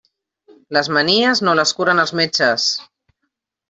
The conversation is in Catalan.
Les manies, no les curen els metges.